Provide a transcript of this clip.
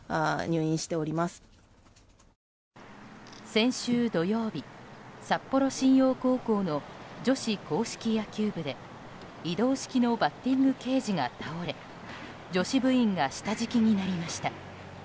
先週土曜日、札幌新陽高校の女子硬式野球部で移動式のバッティングケージが倒れ女子部員が下敷きになりました。